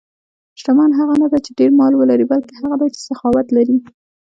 شتمن هغه نه دی چې ډېر مال ولري، بلکې هغه دی چې سخاوت لري.